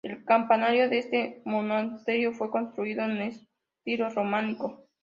El campanario de este monasterio fue construido en estilo románico.